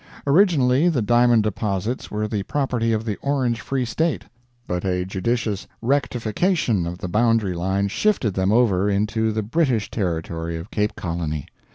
Originally, the diamond deposits were the property of the Orange Free State; but a judicious "rectification" of the boundary line shifted them over into the British territory of Cape Colony.